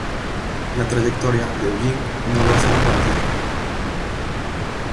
La trayectoria de Eugene no lo acercó a tierra.